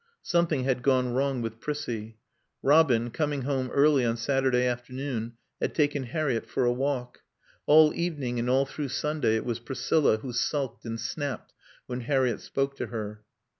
Something had gone wrong with Prissie. Robin, coming home early on Saturday afternoon, had taken Harriett for a walk. All evening and all through Sunday it was Priscilla who sulked and snapped when Harriett spoke to her.